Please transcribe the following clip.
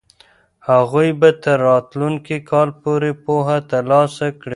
هغوی به تر راتلونکي کاله پورې پوهه ترلاسه کړي.